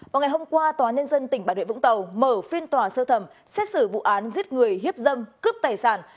vào ngày hôm qua tòa nhân dân tỉnh bà rịa vũng tàu mở phiên tòa sơ thẩm xét xử vụ án giết người hiếp dâm cướp tài sản